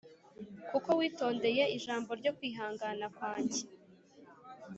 Kuko witondeye ijambo ryo kwihangana kwanjye,